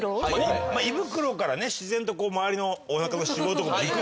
胃袋から自然と周りのおなかの脂肪とかも効くし。